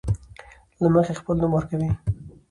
له مخې خپل نوم ورکوي.